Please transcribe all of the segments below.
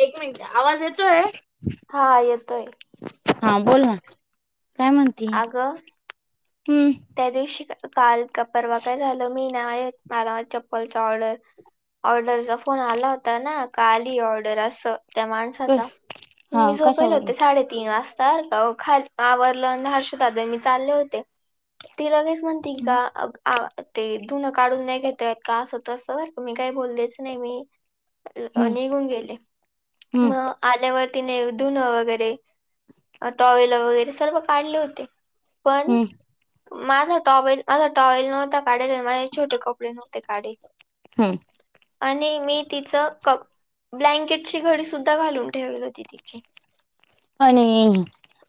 एक मिनिट आवाज येतोय हा येतोय हा बोल ना काय म्हणते अगं हम् त्या दिवशी काल का परवा काय झालं मी नाही माझा चप्पलचा ऑर्डर ऑर्डरचा फोन आला होता ना का आली ऑर्डर असं त्या माणसाचा कस हा मी झोपले कशावरून? होते साडेतीीन वाजता सारख खाली आवरलं हर्षतद मी चालले होते ती लगेच म्हणती हम्म का ते धुनं काढून नाही घेतयत का असं तस बर मी काय बोललेच नाही मी निघून गेले हम्म मग आल्यावरतीिनेधुन वगैरे टॉ वगैरे सर्व काढले होते पण हम्म माझा टॉबाल माझा टॉल नव्हता काढेल माझे छोटे कपडे नव्हते काढेल हम आणि मी तिचं कप ब्लँकेटची घडी सुद्धा घालून ठेवल होती तिची आणि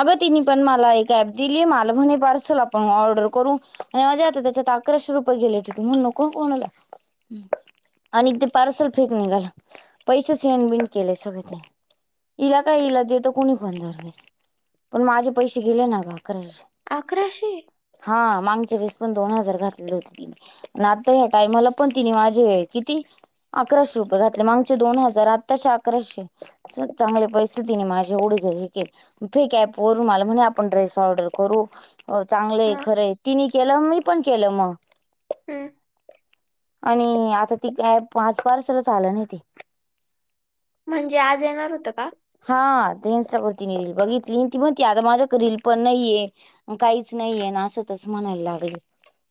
अगं तिने पण मला एक ऍप दिली मला म्हणे पार्सल आपण ऑर्डर करू आणि माज्या आता त्याच्यात अकराशे रुपे गेले ठणून नको कोणाला आणि ते पार्सल फेक निघाला पैसेचन बिन केले सगळे ते. इला काय इला देतो कुणी पण दर वेळेस पण माझे पैसे गेले ना ग खर अकराशे. हा मागच्या वीस पण दोन हजार घातलं होत ती आता ह्या टायमाला पण तिने माझे किती? अकराशे रुपये घातले मागचे दोन हजार आताचे अकराशे सपता मध्ये पैसे दिणे माझे वढ घ्या फेका पोर मला म्हणे आपण ड्रेस ऑर्डर करू. हो चांगलंय हा खरंय तिने केलं मी पण केलं मग हम्म. आणि आता ती कॅब पाच पार्सलच आलं नाही त म्हणजे आज येणार होतं का? हा ते ईस्टावर रील बघितली ती म्हणती आता माझ्याकड तीरील पण नाहीये काहीच नाहीये ना असं तच म्हणायला लागल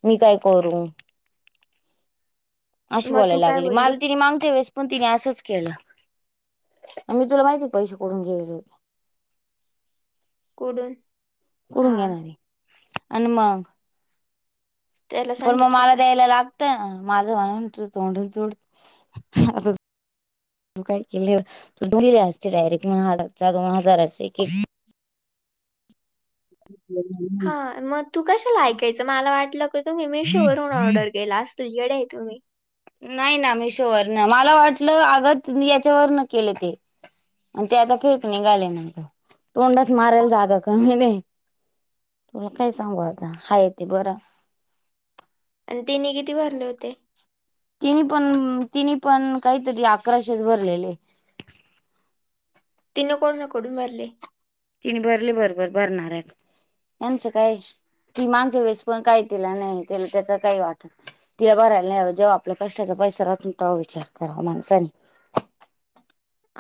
मी काय करू [unintelligible] [inaudible] अशी मग तू बोलायला काय लागली बोलली माल तिने मागते वेळेस पण तिने असंच केलं मी तुला माहिती पैसे कोठून घेल होते? कुडून? कुडून हा घेणार आहे आणि मग त्याला पण मग सांगितलं मला का? द्यायला लागतं माझं म्हणे तुऐ तोंडच झोडीन आ तू काय केले तू बोलले असते डायरेक्ट म्हणे हजारचा दोन हजारचे एक ह्. [unintelligible] हा मग तू कशाला ऐकायचं मला वाटलं का तुम्ही मिशोवरून ऑर्डर केल असल. तु येडे आहे तुम्ही? नाही ना मिशोवर ना मला वाटलं आग तीने याच्यावर न केले ते आणि ते आता फेक निघाले नंतर तोंडात मारायला जागा का म्ह तुला काय सांगु आता हाय ते बरं. आणि तिने किती भरले होते? तिने पण तिने पण काहीतरी अकराशेच भरलेले तिन कोणा कडून भरले? तिने भरले बरोबर भरणाऱ्या कड. यांचं काय कि माांगस वेळेस पण काय केला नाही तेला त्याच काही वाटत नाही. तिला भरायला नाही जेव आपल्या कष्टाचा पैसा राहतोना तेव्हा विचार करावा माणसाने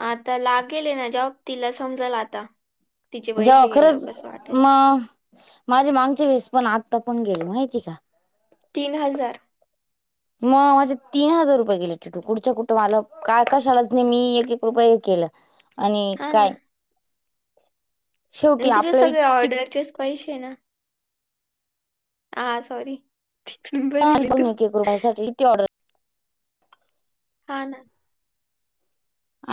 आता लागेल आहे ना जॅब तिला समजल आता तिचे जेव पैसे गेल्यावर खरंच कसं वाटेल. मग माझे मागच्या वेळेस पण आता पण गेले माहिती का? तीन हजार मग माझे तीन हजार रुपये गेले कुढच्या कुठं मला काय का शाळाच नाही मी एक, एक रुपये हे केलं आणि हा ना काय? शेवटी नाही तुझे आपल्या सगळे इतकी ऑर्डरचेच पैसेे ना? हा सॉरी ह भरेले तू करूण एक, एक रूपया साठी किती ऑर्डर हा ना.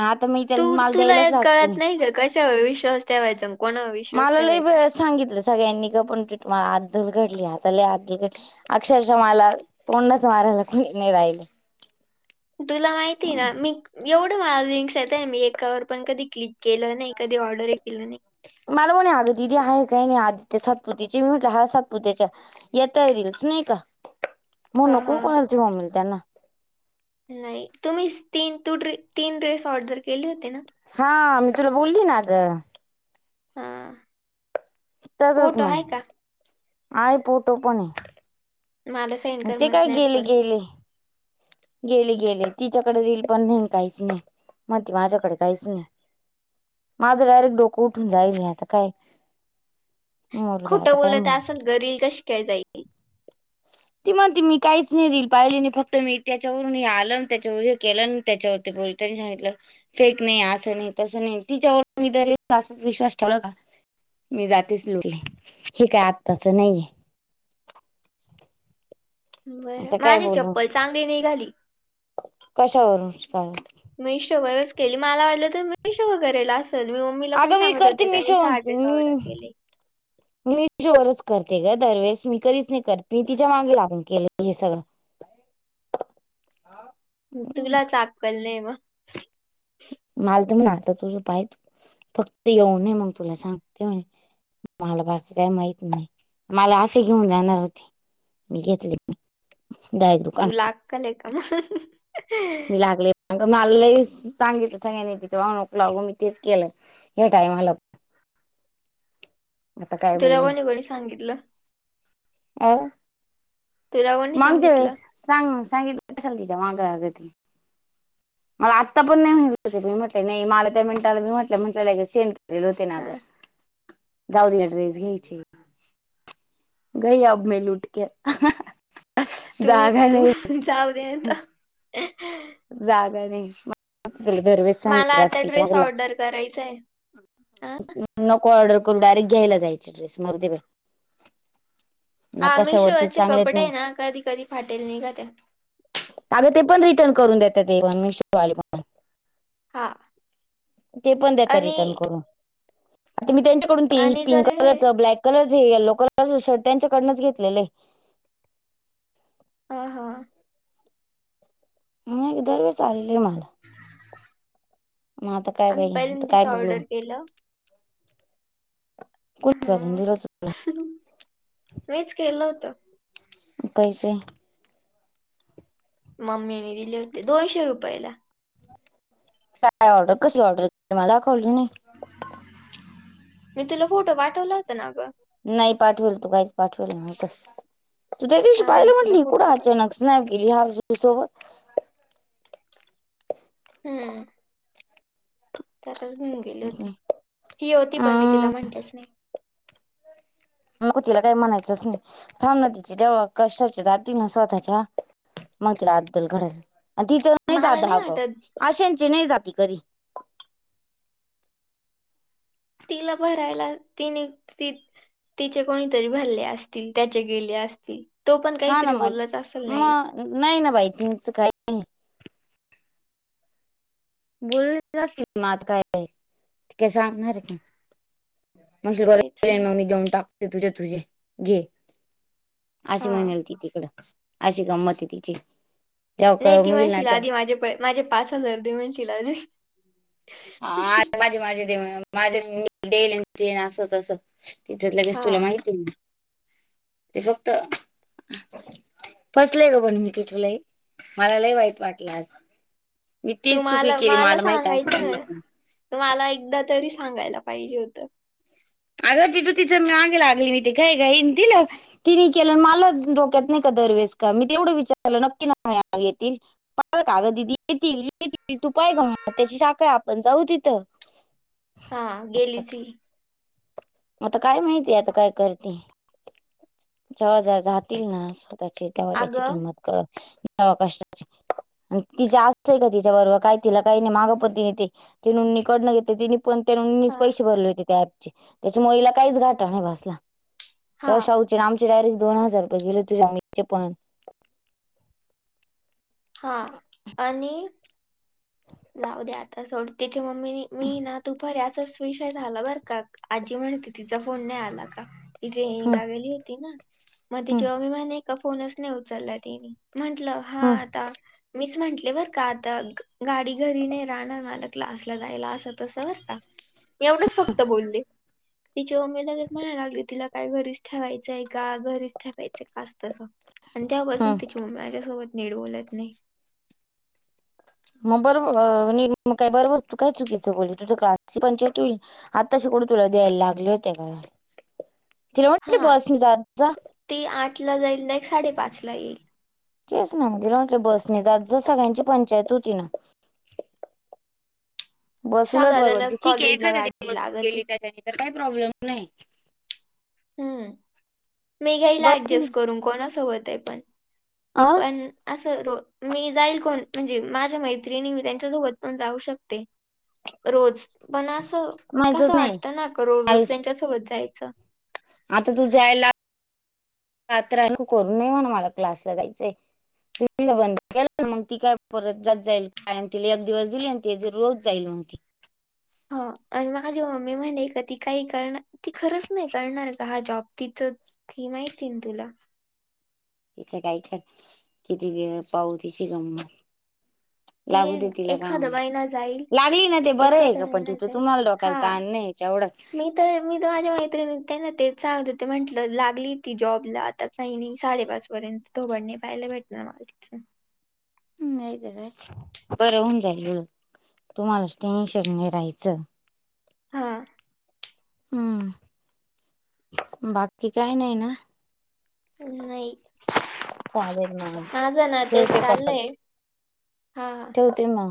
आता मी तू त्याला माल तुला द्यायलाच एक लागतील कळत नाही का कशावर विश्वास ठेवायचा आणि कोणावर विश्वास मालालाही ठेवायचा वेळस सांगितलं सगळ्यांनी ग पण म आदल घडलीले आता लय आदडली अक्षरशः मला तोंडाच मारायला न राहिलं. तुला माहितीय ना मी एवढं मा लिंक्स येत ना मी एकावर पण कधि क्लिक केलं नाही कधी ऑर्डरही केलं नाही. मला म्हणे अग दिदी आहे काही नाही आदित्य सातपुतीचे मी म्हटलं ह सातपुत्याच्या येताये रीलस नाही का म्हणून हा नको हा कोणाला तुया मम्मी त्यांना नाही तुम्ही तीन तू तीन ड्रेस ऑर्डर केले होते ना? हा मी तुला बोलली ना अग हा. तसच फोटो मग आहे का आय पोटो पण माला ते काय गेले गेले गेली गेले तिच्याकडे जाईल पण नाही काहीच नाही मग त माझ्याकडे काहीच नाही. माझं डायरेक्ट डोकं उठून जाईल नाही आता काय मरू दे खोटं आता काय बोलत मरू असल घरील कशी काय जाईल ती म्हणती मी काहीच नाही रील पाहिली नाही फक्त मी त्याच्यावरून हे आलं त्याच्यावर हे केलं त्याच्यावर ते बोल री सांगितलं फेक नाही असं नाही तसं नाही तिच्यावर मी तर असच विश्वास ठेवला का मी जातेच लुटले हे काय आत्ताचं नाहीये. बर आता माझी चप्पल चांगली निघाली. कशावरूनच कारण मीशोवरच केली मला वाटलं तर मशोभगरेला मी मम्मीला पण अगं मी सांगत करते होते काी मिशो सहा ड्रेस ऑर्डर केले. मी जोवरच करते ग दरवेेळेस मी कधीच नाही करते मी तिच्या मागे लागून केलं हे सगळं. हा. तुला चाकल नाही मग माल तर म्हण आता तुझ पाय फक्त येऊ नये मग तुला सांगते म्हणे. मला बाकी काही माहित नाही मला असे घेऊन जाणार होते. मी घेतली दाय दु लागकले कामा मी लागले मला सांगितलं सांगे तिथं मग नको लागु मी तेच केलं हह्या टायमाला आता काय तुला बोलू कोणी कोणी सांगितलं हो तुला कोणी मांग वेळेस सांगितलं सांग सांगितल तिच्या माग मला आत्ता पण नाही म्हटली हो मी म्हटली नाही मला त्या मिनिटला मी म्हटलं मला सेंट ल होते ना हा ग जाऊ दे तिला ड्रेस घ्यायची. गय अब मी लुटके तू तू जाऊ दे जागा नाही म दरवेज मला आता ड्रेस ऑर्डर करायचाय. नको ऑर्डर करू डायरेक्ट घ्यायला जायचे ड्रेस मरु दे बाई हा ना आम्ही कशावरचे शिवाचे चांगलेत कपडे आहे ना कधी कधी फाटेल नाही का त्या अगं ते पण रिटर्न करून देतात ते मेशो वाले हां ते पण देता रिटर्न करून आता मी त्यांच्याकडून ते आणि जर पिंक हे कलरच ब्लॅक कलरच येल्लो कलरच शर्ट त्यांच्याकडूनच घेतलेलं आहे. ह हा मग एक दरवेस आलेले आहे म म आता काय आम्ही बाई आता काय पहिल्यांदाच बोलू ऑर्डर केलं कुणी करून हा दिल मीच केलं होत. पैसे मम्मीने दिले होते दोनशे रुपयाला प ऑर्डर कशी ऑर्डर मला दाखवली नाही. मी तुला फोटो पाठवलं होतं ना गं नाही पाठवल तू काहीच पाठवल नव्हत. तू त्या दिवशी थांब मी पाहिलं तुला म्हटली फोटो कुठं पाठ अचानक नाही गेिहा सोबत हम्म तरचेऊन गेले होते ही होती पण मी तिला अं म्हणतेच नाही मग तिला काही म्हणायचंच नाही थांब ना तिचे तेव्हा कष्टाचे जातील ना स्वतः च्या मग तिला अद्दल घडल तिचं नाही मला जात अगं वाटत आशेंची नाही जाती कधी तिला भरायला तिने त तिचे कोणीतरी भरले असतील त्याचे गेले असतील तो पण हा ना काहीतरी मग बोललाच असेल नाहीला मग नाही ना बाईथिच काही नाही बोल असतील मग आता काय काय सांगणारे का मश तेच मग ना मी घेऊन टाकते तुझ्या तुझे घे अशी हा महिनल ती तिकडं अशी गंमत आहे तिची जव्हा नाही का ती मिईल ना म्हणशील ते आधी माझे पै माझे पाच हजार दे म्हणशीलजी हा अरे माझी माझी माझ डेली अस तस तिच्यात लगेच हा तुला माहिती ते फक्त फसलेय ग पण मी तुठुलाही मला लही वाईट वाटलं आ तुम्हाला मला माहित सांगायचं ना असताना तुम्हाला एकदा तरी सांगायला पाहिजे होतं. अग तू तिचं म मागे लागली मी ते काय काईन तिला तिने केलं मला डोक्यात नाही का दरवेस का मी तेवढं विचारलं नक्की घ येतील पा का ग दिदी येतील येतील तू पाय गं म त्याची शाखा आपण जाऊ तिथं हा गेलीची आता काय माहितीय आता काय करते जेव्हा जातील ना स्वतःचे व्हा त्याची अगं किंमत कळका तिचे असतंय का तिच्याबरोबर काही तिला काही नाही मागं पण तिने ते तिनकडून घेते ति पण हा त्यानीच पैसे भरले होते त्या ऍपचे त्याच्या मुळीला काहीच घाटा नाही भासला हा त्याव्हा शा उच आमचे डायरेक्ट दोन हजार रुपये गेले तुझ्या आ पून हा आणि जाऊ द आता सोड त्यािच्या मम्मी मी ना तू फर आहे असं त विषय झाला बर का आजी म्हणते तिचा फोन नाही आला का ती ट्रेन हं. लागलेली होती ना मग हम्म तिचीवर मी म का फोनच नाही उचलला तनी म्हंटलं हा हम्म आता मीच म्हटले बर का आता गाडी घरीने राहणार मालक लासला जायला असं तसं वर का एवढंच फक्त बोलले तिच्या मम्मी लगेच म्हणायला लागली तिला काय घरीच ठेवायचंय का घरीच ठेवायचय कास तसं आणि त्यापासून हम्म त्यािची मम्मी माझ्यासोबत नीड बोलत नाही मग बरोबर मग काय बरोबर तू काय चुकीचं बोल तुझ ग्राची पंचायत होईल आता शेकड तुला द्यायला लागले होते का तिला म्हटलं बसझ आ ते आठ ला जाईल नाही साडेपाच ला येईल तेच ना म्हणजेटलं बस नाही ज सगळ्यांची पंचायत होती ना बस श्राव उलट दादाला पररवडते ठीक आहे कॉलेजला एखाद्या तस् गाडी तू लागती गेली त्याच्याने तर काही प्रॉब्लेम नाही हम्म मी घ्याईला ऍडजस्ट बस करून कोणासं होत आहे पण अ पण असं र मी जाईल कोण म्हणजे माझ्या मैत्रिणी मी त्यांच्यासोबत पण जाऊ शकते रोज पण असं कसं माहितच वाटत ना का रोज रोज नाही त्यांच्यासोबत जायचं आता तू जा्यायला्र तू करू नये म्हणा मला क्लासला जायचंय त त बंद के मग ती काय परत जात जाईल कायम तिला एक दिवस दिली ते ज रोज जाईल मग ती ह आणि माझी मम्मी म्हणाले का ती काही करण ती खरंच नाही करणार का हा जॉब तिचं ी माहिती ना तुला तिथ काही ख किती व पाऊ तिची गम ती लागू दे तिला का एखादा महिना जाईल लागली ना ते बरं आहे एखादा का पण महिना तिवट जाईल तुम्हाला डोकायला त हा आण नाही मी तर मी तर एवढंच माझ्या मैत्रिणी त्यांना ते सांगत हो ते म्हंटलं लागली ती जॉबला आता काही नाही साडेपाच पर्यंत तो बडणे पाहायला भेटणार ना मला तिचं नाही ते का बरं होऊन जाईल ळ तुम्हाला स्टेनशन नाही राहायचं. हा. हम्म बाकीकी काय नाही ना. नाही चालेल मग माझं ना तेच ठेवते चाललंय हा ह होती ना